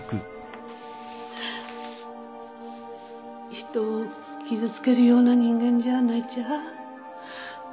人を傷つけるような人間じゃないちゃ